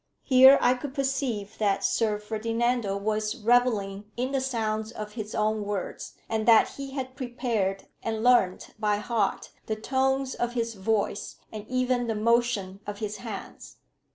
Here I could perceive that Sir Ferdinando was revelling in the sounds of his own words, and that he had prepared and learnt by heart the tones of his voice, and even the motion of his hands.